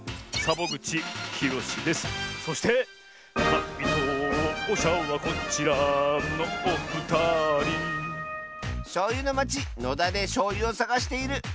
かいとうしゃはこちらのおふたりしょうゆのまちのだでしょうゆをさがしているコシコシコッシーと！